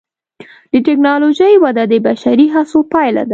د ټکنالوجۍ وده د بشري هڅو پایله ده.